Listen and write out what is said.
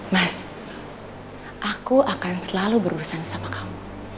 mas aku akan selalu berurusan sama kamu